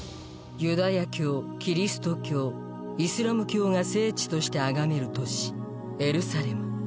ユダヤ教キリスト教イスラム教が聖地としてあがめる都市エルサレム